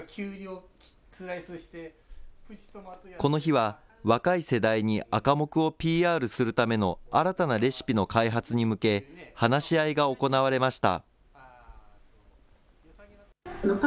この日は、若い世代にアカモクをＰＲするための新たなレシピの開発に向け、話し合いが行われました。